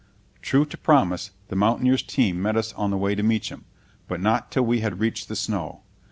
True to promise, the mountaineer's team met us on the way to Meacham, but not till we had reached the snow.